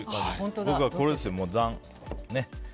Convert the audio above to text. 僕はこれですよ。